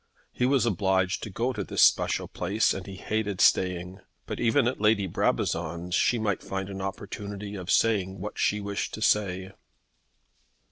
He was obliged to go to this special place and he hated staying. But even at Lady Brabazon's she might find an opportunity of saying what she wished to say.